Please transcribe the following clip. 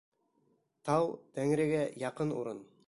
Тау — Тәңрегә яҡын урын